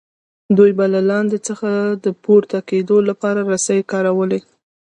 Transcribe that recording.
دوی به له لاندې څخه د پورته کیدو لپاره رسۍ کارولې.